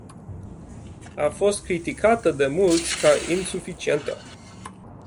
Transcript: A fost criticată de mulți ca insuficientă.